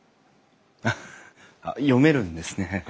読めるんですね。